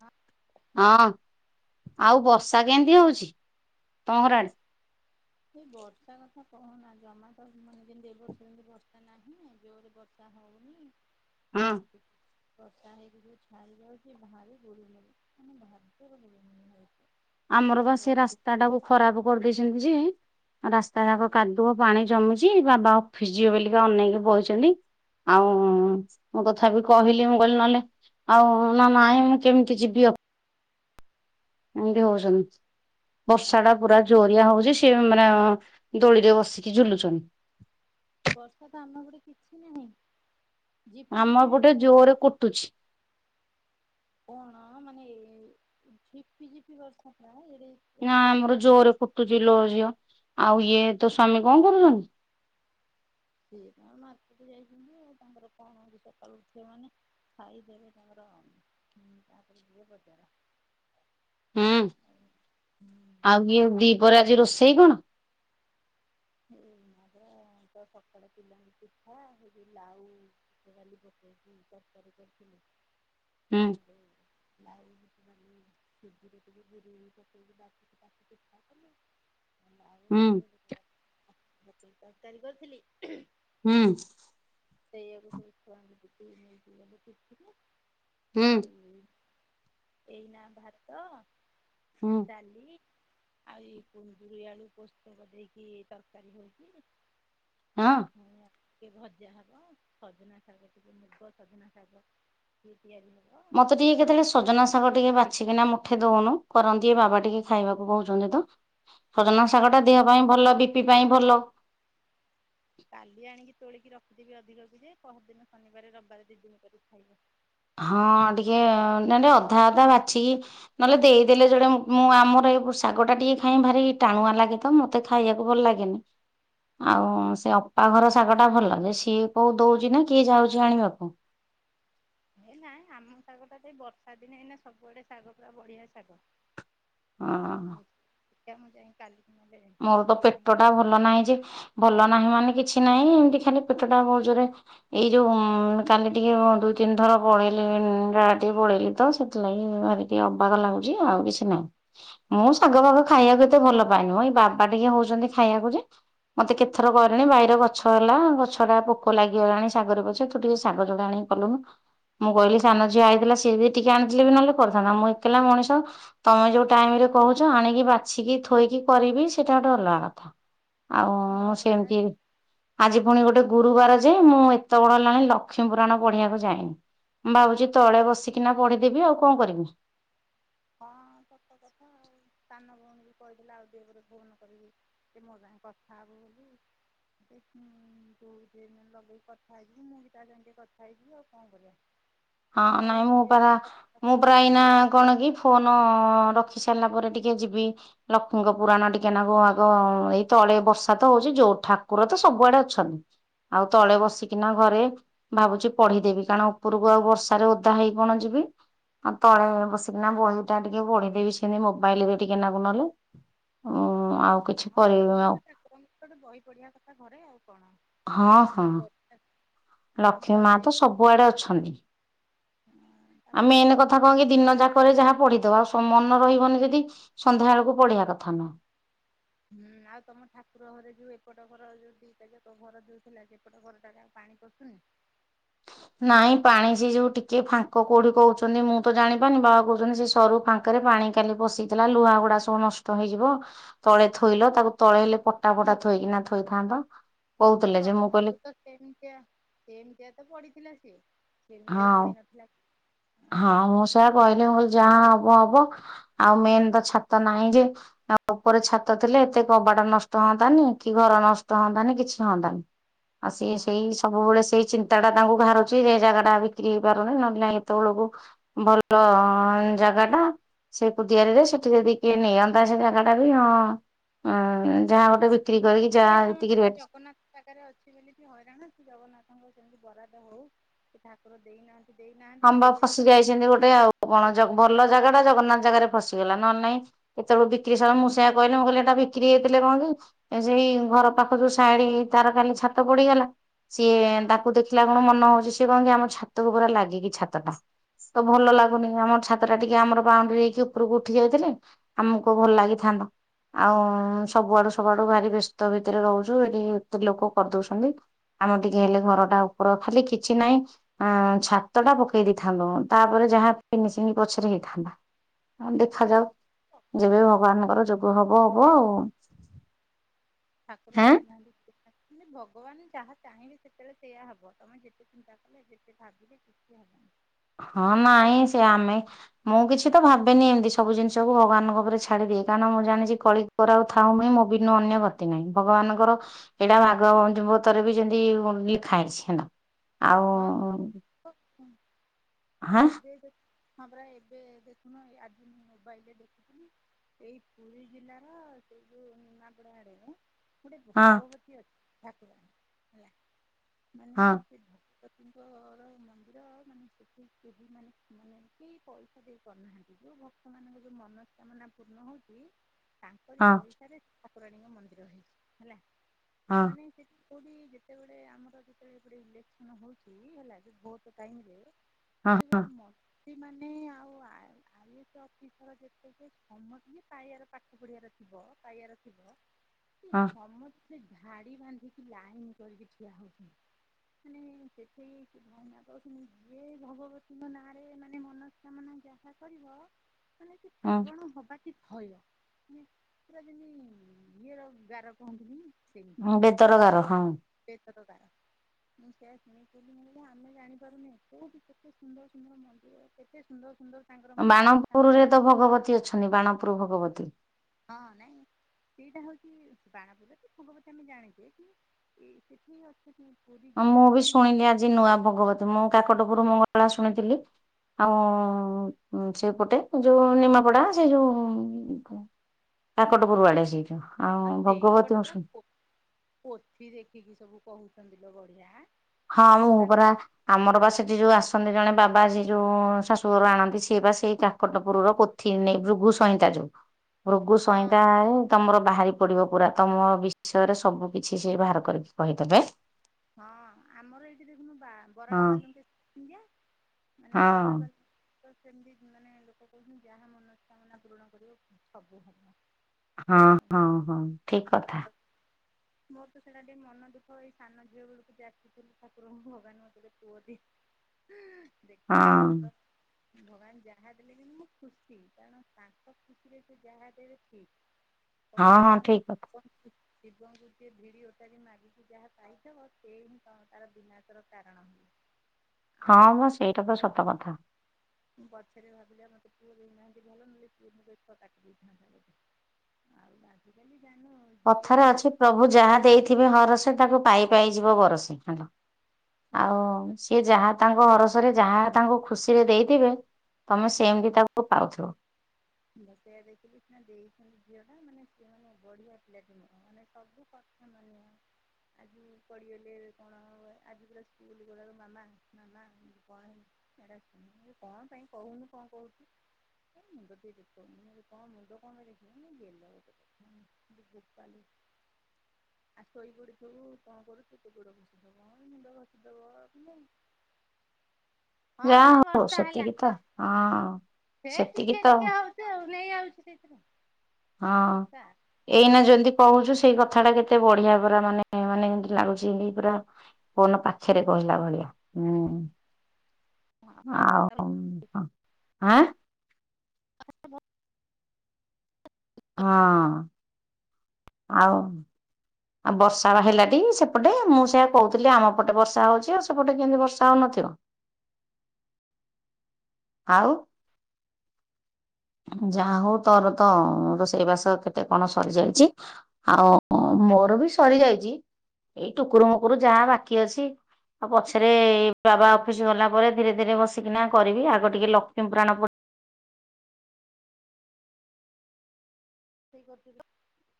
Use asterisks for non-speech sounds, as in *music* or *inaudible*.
ହଁ। ହଁ ଆଉ ବର୍ଷା କେମତି ହଉଚି ତମ ଘର ଆଡେ? ସେ ବର୍ଷା କଥା କହନା ଜମା ତ ମାନେ ଯେମିତି ଏ ବର୍ଷ ଯେମିତି ବର୍ଷା ନାହିଁ, ଜୋରେ ବର୍ଷା ହଉନି *inaudible* ହଁ। ଆଉ ଟି ବର୍ଷା ହେଇକି ଟିକେ ଛାଡି ଯାଉଚି, ଭାରି ଗୁଳୁଗୁଳି ମାନେ ଭାର ଜୋର ଗୁଳୁଗୁଳି ହଉଛି। ଆମର ବା ସେ ରାସ୍ତାଟାକୁ ଖରାପ କରି ଦେଇଛନ୍ତି ଯେ ରାସ୍ତା ଯାକ ଯିବା କାଦୁଅ ପାଣି ଜମୁଚି ବାବା ଅଫିସ ଯିବେ ବୋଲି କି ଅନେଇକି ବଇଛନ୍ତି। ଆଉ ମୁଁ ତଥାପି କହିଲି ମୁଁ କହିଲି ନହେଲେ ଆଉ ନା ନାଇଁ ମୁଁ କେମିତି ଯିବି ଅ ଏମତି ହଉଛନ୍ତି ଆଜି ବର୍ଷାଟା ପୁରା ଦିନେ ଜୋରିଆ ହଉଚି ସଏ ମାନେ ଦୋଳିରେ ବସିକି ଝୁଲୁଛନ। ବର୍ଷା ତ ଆମ ଗୋଟେ କିଛି ନାହିଁ। ଝିପି ଝିପି ବି ଆମପଟେ ନାହିଁ ଜୋରେ କୁଟୁଛି। କଣ ମାନେ ଝିପିଝିପି ବର୍ଷା ପ୍ରାୟେ। ନା ଆମର ଜୋରେ କୁଟୁଛି ଲୋ ଝିଅ ଆଉ ଇଏ ତୋ ସ୍ଵାମୀ କଣ କରୁଛନ୍ତି? ସିଏ ତ ମାର୍କେଟ ଯାଇଛନ୍ତି ଆଉ ତାଙ୍କର କଣ ହଉଛି ସକାଳୁ ଉଠିବେ ମାନେ ଖାଇଦେବେ ତାଙ୍କର ହଁ ତାପରେ ଯିବେ ବଜାର। ହୁଁ ଆଉ ଆଉ ଇଏ ଦି ପହରେ ଆଜି ରୋଷେଇ କଣ? ଆମର ତ ସକାଳେ ପିଲାଙ୍କୁ ପିଠା ହେ ଲାଉ ଡାଲି ପକେଇ ତରକାରୀ କରିଥିଲି ହୁଁ ପିଲାଙ୍କୁ *unintelligible* ଉଁ। ଆଳୁ ତରକାରୀ କରିଥିଲି। ହୁଁ। ସେଇଆକୁ ସବୁ ଛୁଆଙ୍କୁ ଦେଲି ନେଇକି ଗଲେ ଟିଫିନି। ହୁଁ। ଏଇ ନା ଭାତ, ହୁଁ ଡାଲି ଆଉର ଏଇ କୁନ୍ଦୁରି ଆଳୁ ପୋସ୍ତକ ଦେଇକି ତରକାରୀ ହଉଚି। ଆଉ ହଁ। ଛୁଇଁ ଆ ଟିକେ ଭଜା ହବ, ସଜନା ଶାଗ ଟିକେ, ମୁଗ ସଜନା ଶାଗ ଟିକେ ତିଆରି ହବ। ଆଉ ମତେ ଟିକେ କେତେବେଳେ ସଜନା ଶାଗ ଟିକେ ବାଛିକିନା ମୁଠେ ଦଉନୁ କରନ୍ତି, ବାବା ଟିକେ ଖାଇବାକୁ କହୁଛନ୍ତି। ସଜନା ଶାଗ ଟା କାଲି ଦେହ ପାଇଁ ଭଲ, ବି ପି ପାଇଁ ଭଲ କାଲି ଆଣିକି ତୋଳିକି ରଖିଦେବି ଅଧିକ କି ଯେ ପହରଦିନ ଶନିବାର ରବିବାର ଦି ଦିନ ପରେ କ ଖାଇବ ହଁ ଟିକେ ନାଇ ନାଇ ଅଧା ଅଧା ବାଛିକି ନହେଲେ ଦେଇଦେଲେ ଯୋଡେ ମୁଁ ମୁଁ ଆମର ଖାଇବାକୁ ଶାଗ ଟା ଟିକେ ଖାଇ ଭାରି ଟାଣୁଆ ଲାଗେ ତ ମତେ ଖାଇବାକୁ ଭଲ ଲାଗେନି ଆଉ ସେ ଅପା ଘର ଶାଗଟା ଭଲ ଯେ ସିଏ କୋଉ ଦଉଛି ନା କିଏ ଯାଉଛି ଆଣିବାକୁ *inaudible* ଏ ନାଇଁ ଆମ ଶାଗଟା ଯେ ବର୍ଷା ଦିନେ ଏଇନା ସବୁଆଡେ ଶାଗ ପୁରା ବଢିଆ ଶାଗ ହଁ ହଁ ଆ ମୁଁ ଯାଇଁ କାଲି ମୋର ତ ପେଟ ଟା ଭଲ ନାହିଁ ଯେ ଭଲ ନାହିଁ ମାନେ କିଛି ନାହିଁ ଏମତି ଖାଲି ପେଟଟା ବହୁ ଜୋରେ ଏଇ ଯୋଉ ଉଁ କାଲି ଟିକେ ଦୁଇ ତିନିଥର ପଳେଇଲି ଗାଁ ଟିକେ ପଳେଇଲି ତ ସେଥିଲାଗି ଭାରି ଟିକେ ଅବାଗ ଲାଗୁଛି ଆଉ କିଛି ନାହିଁ। ମୁଁ ଶାଗ ଫାଗ ଖାଇବାକୁ ଏତେ ଭଲ ପାଏନି ମ ଏଇ ବାବା ଟିକେ ହଉଛନ୍ତି ଖାଇବାକୁ ଯେ ମତେ କେତଥର କହିଲେଣି ବାଇରେ ଗଛ ହେଲା ଗଛଟା ପୋକ ଲାଗିଗଲାଣି ଶାଗରେ ପଛେ ତୁ ଟିକେ ଶାଗ ଯୋଡ଼େ ଆଣି କଲୁନୁ ମୁଁ କହିଲି ସାନ ଝିଅ ଆଇଥିଲା ସିଏ ବି ଟିକେ ଆଣିିଥିଲେ ବି ନହେଲେ କରିଥାନ୍ତା ମୁଁ ଏକଲା ମଣିଷ ତମେ ଯୋଉ ଟାଇମରେ କହୁଛ ଆଣିକି ବାଛିକି ଥୋଇକି କରିବି ସେଇଟା ଗୋଟେ ଅଲଗା କଥା ହଁ ଆଉ ପରା ସେମତି ଆଜି ପୁଣି ଗୋଟେ ଗୁରୁବାର ଯେ ମୁଁ ଏତେ ବଳ ହେଲାଣି ଲକ୍ଷ୍ମୀ ପୁରାଣ ପଢିବାକୁ ଯାଇନି ଭାବୁଛି ତଳେ ବସିକିନା ପଢିଦେବି ଆଉ କଣ କରିବି ହଁ ସତ କଥା ଆଉ ସାନ ଭଉଣୀ କହିଥିଲେ ଆଉ *unintelligible* ପଠାବୁ ବୋଲି *unintelligible* ଦୁଇ ଦିନ ଲଗେଇକି କଥା ହେଇଯିବି ମୁଁ ବି ତା ସାଙ୍ଗେ କଥା ହେଇଥିଲି ଆଉ କଣ କରିବା ହଁ ତାର ନାଇଁ ବି ମୁଁ ପରା ଟିକେ ମୁଁ ପରା ଏଇନା କଣ କି ଫୋନ ରଖି ସାରିଲା ପରେ ଟିକେ ଯିବି ଲକ୍ଷ୍ମୀଙ୍କ ପୁରାଣ ଟିକେ ନାକୁ ଆଗ ଏଇତ ତଳେ ବର୍ଷା ତ ହଉଛି ଯୋଉ ଠାକୁର ତ ସବୁଆଡେ ଅଛନ୍ତି ଆଉ ତଳେ ବସିକିନା ଘରେ ଭାବୁଛି ପଢିଦେବି କାରଣ ଉପରକୁ ଆଉ ବର୍ଷ ବର୍ଷାରେ ଓଦା ହେଇ କଣ ଯିବି ଆଉ ତଳେ ବସିକିନା ବହିଟା ଟିକେ ପଢିଦେବି ସେନେ ମୋବାଇଲରେ ବି ଟିକେ ନାଗୁ ନହଲେ। ହଁ। ହଁ ସେନ୍ତିତ ଠାକୁରଙ୍କ ବହି ପଢିବା କଥା ଘରେ ଆଉ କଣ ହଁ ହଁ। ଆଉ ଲକ୍ଷ୍ମୀ ତମର ଆଉ ମା ସେ ତ ସବୁଆଡେ ଅଛନ୍ତି। ଆଉ ତାପରେ ମେନ ତମର ସେ କଥା କଣକି ଦିନ ଯାକରେ ଯହା ପଢିଥାଉ ମନ ରହିବନି ଯଦି ସନ୍ଧ୍ୟା ବେଳକୁ ପଢିବା କଥା ନୁହଁ। ହୁଁ ଆଉ ତମ ଠାକୁର ଘରେ ଯୋଉ ଏପଟ ଘର ଯୋଉ ଦିଟା ଯାକ ଘର ଯୋଉଥିଲା ସେପଟ ଘରଟାରେ ପା ପାଣି ପସୁନି? *inaudible* ନାଇଁ ପାଣି ସେ ଯୋଉ ଟିକେ ଫାଙ୍କ କୋଉଠି କହୁଛନ୍ତି ମୁଁ ତ ଜାଣିପାରୁିନି ବାଆ କହୁଛନ୍ତି ସେ ସରୁ ଫାଙ୍କା ପାଣି କାଲି ପଶିଥିଲା ଲୁହା ଗୁଡା ସବୁ ନଷ୍ଟ ହେଇଯିବ ତଳେ ଥୋଇଲ ତାକୁ ତଳେ ହେଲେ ପଟା ଫଟା ଥୋଇକିନା ଥୋଇଥାନ୍ତ। କହୁଥିଲେ ଯେ ମୁଁ ପ୍ରଥମରୁ କହିଲି ତ ସେମିତିଆ ସେମିତିଆ ତ ପଡିିଥିଲା ସିଏ। ସେମିତିଆ ବି ହଁ ପଡି ନଥିଲା। ହଁ ମୁଁ ସେଆ କହିଲି ଯାହା ହବ ହବ ଆଉ ମେନ ତ ଛାତ ନାହିଁ ଯେ ଆ ଉପରେ ଛାତ ଥିଲେ ଏତେ କବାଟ ନଷ୍ଟ ହୁଅନ୍ତାନି କି ଘର ନଷ୍ଟ ହୁଅନ୍ତାନି କିଛି ହୁଅନ୍ତାନି। ଆଉ ସିଏ ହଁ ସେଇ ପରା ସବୁବେଳେ ସେଇ ଚିନ୍ତା ଟା ତାଙ୍କୁ ଘାରୁଛି ଯେ ଜାଗା ଟା ବିକ୍ରି ହେଇ ପାରୁନି ନହେଲେ ନାଇଁ ତବେଳକୁ ଭଲ ଅ ଜାଗା ଟା। ସେଇ କୁଦିଆରିରେ ସେଠି ଯଦି କିଏ ନିଅନ୍ତା ସେ ଜାଗା ଟା ବି ହଁ ଅ ଯାହା ଗୋଟେ ବି ଶିକ୍ଷା କାମଦ୍ଵାରା ଜଗନ୍ନାଥ ଜାଗାରେ ଅଛି ବୋଲି କି ହଇରାଣ ଜଗନ୍ନାଥଙ୍କ ସେମିତି ବରାଦ। ହଉ ସେ ଠାକୁର ଦେଇନାହା ଆମ୍ ବାପା ଫସି ଯାଇଛନ୍ତି ଗୋଟେ ଆଉ କଣ ବଣ ଜଙ୍ଗଲର ଜାଗା। ସେଇଟା ଜଗନ୍ନାଥ ଜାଗାରେ ଫସିିଗଲା। ନହଲେ ନାଇଁ ଏତେବେଳକୁ ବିକ୍ରି ସ ମୁଁ ସେୟା କହିଲି, ମୁଁ କହିଲି ଏଟା ବିକ୍ରି ହେଇଥିଲେ କଣ କି ସେଇ ଘର ପାଖ ଯୋଉ ସା *unintelligible* ତାର କାଲି ଛାତ ପଡିଗଲା। ସିଏ ହଁ ତାକୁ ଦେଖିଲା କଣ ମନେ ହଉଛି ସିଏ କଣ କି, ଆମ ଛାତକୁ ପୁରା ଲାଗି କିି ଛାତଟା। ତ ଭଲ ହଁ ଲାଗୁନି, ଆମର ଛାତଟା ଟିକେ ଆମର ବାଉଣ୍ଡରି ହେଇକି ଉପରକୁ ଉଠି ଯାଇଥିଲେ ଆମକୁ ଭଲ ଲାଗିଥାଆନ୍ତା। ଆଉ ସବୁଆଡୁ ସବୁଆଡୁ ଭାରି ବ୍ୟସ୍ତ ଭିତରେ ରହୁଛୁ, ଏଠି ଏତେ ଲୋକ କରିଦଉଛନ୍ତି। ଆମ ଟିକେ ହେଲେ ଘରଟା ଉପର ଖାଲି କିଛି ନାହିଁ ଆ ଛା ଛାତଟା ପକେଇ ଦେଇଥାନ୍ତୁ, ତାପରେ ଯାହା ଫିନିଶିଙ୍ଗି ପଛରେ ହେଇଥାନ୍ତା ଆ ଦେଖାଯାଉ। ଭଗବାନ ଯେବେ ଚାହିଁବେ ଭଗବାନଙ୍କର ସବୁ ଯୋଗ ହବ ହବ ଦେବେ ଆଉ। ଠାକୁର ହେଁ। ଦେଇନାହାନ୍ତି ଦେଇନାହାନ୍ତି ମାନେ ଭଗବାନ ଯାହା ଚାହିଁବେ ସେତେବେଳେ ସେଇୟା ହବ, ତମେ ଯେତେ ଚିନ୍ତା କଲେ ଯେତେ ଭାବିଲେ କିଛି ହବନି। ହଁ ନାଇଁ ସେ ଆମେ ମୁଁ କିଛି ତ ଭାବେନି, ଏମିତି ସବୁ ଜିନିଷକୁ ଭଗବାନଙ୍କ ଉପରେ ଛାଡିଦି ଦିଏ, କାରଣ ମୁଁ ଜାଣିଛି କଳିଯୁଗର ଥାଉ ମୁହିଁ ମୋ ବି ନୁ ଅନ୍ୟ ଗତି ନାହିଁ ଭଗବାନଙ୍କର ଏଇଟା ଭାଗ ବତରେ ବି ଯେମିତି ଲେଖାଇଛି ହେଲା, ଆଉ ହଁ ସତ ହାଁ ଏବେ ଯଦି ହଁ ପରା ଏବେ ଦେଖୁନୁ, ଆଜି ମୁଁ ମୋବାଇଲରେ ଦେଖୁଥିଲି ଏଇ ପୁରୀ ଜିଲ୍ଲାର ସୋଉଟୁ ନିମାପଡ଼ା ଆଡେ ମ ଗୋଟେ ହଁ ଭଗବତୀ ଅଛି ଠାକୁରା ହେଲା, ମାନେ ହଁ ସେ ଭ ଭଗବତିଙ୍କର ମନ୍ଦିର ମାନେ ସେଠି କେହି ମାନେ ମାନେ କେହି ପଇସା ଦେଇ ପାରୁନାହା ଯୋଉ ଭକ୍ତ ମାନଙ୍କ ଯୋଉ ମନସ୍କାମନା ପୂର୍ଣ୍ଣ ହଉଛି। ତାଙ୍କରି ହଁ ପଇସାରେ ଠାକୁରାଣୀଙ୍କ ମନ୍ଦିର ହେଇଛି ହେଲା। ହଁ ମାନେ ସେଠି ଯେତେବେଳେ ଆମର ଇଲେକ୍ସନ ହଉଛି ହେଲା, ଯେ ଭୋଟ ଟାଇମ ରେ ହଁ ସେଠି ମୁକ୍ତି ମାନେ ଆଉ ଆ *inaudible* ଯେହେତୁ ଅଫିସର ଯେତେ ଯେ ସମସ୍ତିଙ୍କୁ ପାଇଆର ପାଠ ପଢିବାର ଥିବ ପାଇଆର ଥିବ। ସେ ହଁ ସମସ୍ତେ ଧାଡ଼ିବାନ୍ଧିକି ଲାଇନ କରିକି ଠିଆ ହଉଛନ୍ତି। ମାନେ ହ *unintelligible* ସେଠେଇ ଭାଇନା କହୁଛନ୍ତି, ଯିଏ ଭଗବତୀଙ୍କ ନାଁରେ ମାନେ ମନସ୍କାମନା ଯାହା କରିବ। *inaudible* ମାନେ କି ହଁ ପୂରଣ ହବା କି ମାନେ ପୁରା ଯେମିତି ଇଏର ଗାର କୁହନ୍ତିନି। ସେମିତିଆ ହଁ ବେତର ଗାର ହଁ। *unintelligible* ମୁଁ ସେଇଆ ଶୁଣିଥିଲି ମୁଁ କହିଲି ଆମେ ଜାଣିପାରୁନେ, କୋଉଠି କେତେ ସୁନ୍ଦର ସୁନ୍ଦର ମନ୍ଦିର କେତେ ସୁନ୍ଦର ସୁନ୍ଦର ତାଙ୍କର ମାନେ କଥା ବାଣପୁରରେ ତ ଭଗବତୀ ଅଛନ୍ତି। ବାଣପୁର ଭଗବତୀ। ହଁ ନାଇ ସେଇଟା ହଉଛି ବାଣପୁର ରେ ଭଗବତୀ, ଆମେ ଜାଣିଛେ କି ସେଠି ଅଛ ହଁ ମୁଁ ବି ଶୁଣିଲି ଆଜି ନୂଆ ଭଗବତୀ, ମୁଁ କାକଟପରୁ ମଙ୍ଗଳା ଶୁଣିଥିଲି। ହଁ - ଉଁ। ସେ ଗୋଟେ ଯୋଉ ନିମାପଡା, ସେ ଯୋଉ କାକଟପରୁ ଆଡେ ସେ। ଆଉ ସେଇପଟେ ପୁରା, ପୋ ପୋଥି ଦେଖିକି ସବୁ କହୁଛନ୍ତି ଲୋ ବଢିଆ। ସେ ହଁ ମୋ ମୁଁ ସାନ ପରା ଆମର ବା ସେଠି ଯୋଉ ଆସନ୍ତି ଜଣେ ବାବା ସେ ଯୋଉ ଶାଶୁଘର ଆଣନ୍ତି, ସିଏ ବା ସେଇ କାକଟପୁର ର ପୋଥି ନାଁଇ ଭୃଗୁସଂହିତା ଯୋଉ। ଭୃଗୁସଂହିତା ହଁ ଆଉ ତମର ବାହାରି ପଡିବ ପୁରା, ତମ ବିଷୟରେ ସବୁ କିଛି ସେ ବାହାର କରିକି କହିଦେବେ। ହଁ। ଆମର ଏଇଠି ଦେଖୁନୁ ବା ହଁ ବରାଳ ବାଲୁଙ୍କେ ଶା *unintelligible* ମାନେ ହଁ ବରାଳ ବାଲୁ ତ ସେମିତି ମାନେ ଲୋକ କହୁଛନ୍ତି, ଯାହା ମନସ୍କାମନା ପୂରଣ କରିବ ସବୁ ହବ। ହଁ, ଆଉ ହଁ, ହଁ, ଠିକ କଥା। ମୋର ତ ସେଇ ଲାଗି ମନ ଦୁଃଖ ହେଇ *unintelligible* ଝିଅ ବେଳୁ *inaudible* ଠାକୁରଙ୍କୁ ଭଗବାନ ମୋତେ ଗୋଟେ ପୁଅ ଦେଇ ହଁ ଦେଖିଲେ *unintelligible* ତ ଭଗବାନ ଯାହା ଦେଲେ ବି ମୁଁ ଖୁସି। କାରଣ ତାଙ୍କ ଖୁସିରେ ସେ ଯାହା ଦେବେ ଠିକ। ହଁ କଥାରେ ହଁ ଠିକ କହନ୍ତିନି ଶିବଙ୍କୁ *inaudible* ଯିଏ ଭିଡି ଓଟାରି ମାଗିକି ଯାହା ପାଇ *unintelligible* ସିଏ ତାର ବିନାଶ ର କାରଣ ହୁଏ। ହଁ ଆଉ ମୋ ସେଇଟା ତ ସତ କଥା। ମୁଁ ପଛରେ ଭାବିଲି ଆମ *inaudible* ପୁଅ ଦେଇନାହାନ୍ତି ଭଲ ନହେଲେ ପୁଅ *unintelligible* ଦେଇଥାନ୍ତା। *unintelligible* ଝିଅ କଥାରେ ଅଛି ପ୍ରଭୁ ଯାହା ଦେଇଥିବେ ହରସେ ତାକୁ ପାଇ ପାଇ ଯିବ ବରସି। *unintelligible* ଆଉ ସତ କଥା ସିଏ ଯାହା ତାଙ୍କ ହରସରେ ଯାହା ତାଙ୍କୁ ଖୁସିରେ ଦେଇଥିବେ। ତୋମେ ସେମିତି ତାକୁ ପାଉଥିବ। ମୁଁ ସେଇଆ ଦେଖିଲି ସିନା ଦେଇଛନ୍ତି ଝିଅ ଟା ମାନେ ବଢିଆ ପିଲାଟି ମାନେ *unintelligible* *inaudible* ଆଜି ପଡିଗଲେ କଣ ଆଜି ପା ସ୍କୁଲ୍ ଗଲାବେଳୁ ମାମା ମାମା କଣ ହେଇ ସେଟା କଣ ପାଇଁ କହୁନୁ କଣ କହୁଚୁ। ସେ କଣ *inaudible* ଦେଖିବ *inaudible* ଆଜି ଶୋଇ ପଡି ସବୁ କଣ କରୁ ମୋ ଗୋଡ ଘଷିଦବ *inaudible* ମୁଣ୍ଡ ଘଷିଦବ *inaudible* ହଁ ଯା ହଁ ହଉ ବର୍ଷା ହେଲା ସତିକୀତ ହଁ ସେ ଟିକେ ସେତିକିତ ଓଃ, ଟିକେ ହଉଛି ଆଉ ନେଇ ଆଉଛି ସେଇଥିରେ ହଁ ବର୍ଷା ଏଇନା ହୁଁ। ଯଲଦି କହୁଛୁ ସେଇ କ କଥା ଟା କେତେ ବଢିଆ ପୁରା ମାନେ ମାନେ ଯେମତି ଲାଗୁଚି ଲି ପୁରା ପୋନ ପାଖରେ କହିଲା ଭଳିଆ। ହୁଁ ଆଉ ହଁ, ଆଁ *inaudible* ଭଲ। ହଁ। ଆଉ ଆଉ ବର୍ଷା ହେଲାଟି ସେପଟେ ମୁଁ ସେଇଆ କହୁଥିଲି ଆମ ପଟେ ବର୍ଷା ହଉଚି। ଆଉ ସେପଟେ କେମିତି ବର୍ଷା ହଉନଥି ଥିବ। ଆଉ ଯାହା ହଉ ତୋର ତ ରୋଷେଇ ବାସ କେତେ କଣ ସରିଯାଇଚି। ଆଉ ମୁଁ ମୋର ବି ସରି ଯାଇଚି। ଏଇ ଟୁକୁର ମୁକୁରୁ ଯାହା ବାକି ଅଛି। ଆଉ ପଛରେ ବାବା ଅଫିସ୍ ଗଲା ପରେ ଧୀରେ ଧୀରେ ବସିକିନା କରିବି। ଆଗ ଟିକେ ଲକ୍ଷ୍ମୀପୁରାଣ ପ ରୋଷେଇ କରିଚୁ ତ?